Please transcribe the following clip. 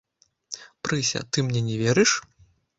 Прыся, ты мне не верыш.